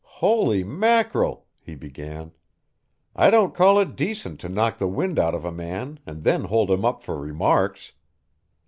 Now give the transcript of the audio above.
"Holy mackerel," he began "I don't call it decent to knock the wind out of a man and then hold him up for remarks.